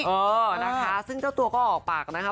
เออนะคะซึ่งเจ้าตัวก็ออกปากนะคะ